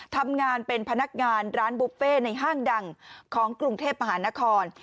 ทำงานเป็นพนักงานร้านบุฟเฟ่ในห้างดังของกรุงเทพมหานคร